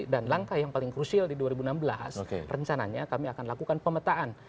dan langkah yang paling krusial di dua ribu enam belas rencananya kami akan lakukan pemetaan